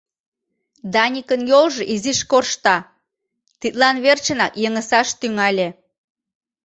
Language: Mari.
Даникын йолжо изиш коршта, тидлан верчынак йыҥысаш тӱҥале.